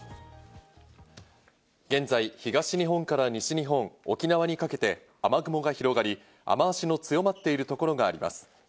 現在、東日本から西日本、沖縄にかけて雨雲が広がり、雨脚の強まっているところがあります。